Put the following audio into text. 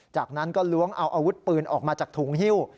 จากนั้นก็ล้วงเอาอาวุธปืนออกมาจากถุงฮิ้ว